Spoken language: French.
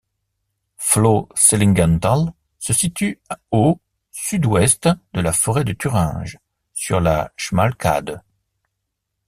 Floh-Seligenthal se situe au sud-ouest de la forêt de Thuringe, sur la Schmalkalde.